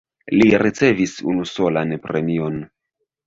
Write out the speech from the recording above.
Li ricevis unusolan premion.